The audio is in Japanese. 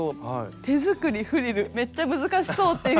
手作りフリルめっちゃ難しそう！